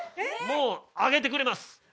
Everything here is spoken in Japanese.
もう揚げてくれます！